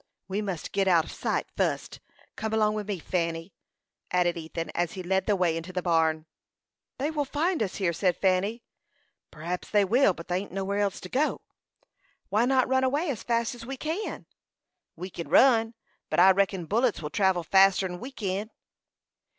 "We must git out of sight fust. Come along with me, Fanny," added Ethan, as he led the way into the barn. "They will find us here," said Fanny. "P'rhaps they will; but there ain't nowhere else to go to." "Why not run away as fast as we can?" "We kin run, but I reckon bullets will travel faster 'n we kin."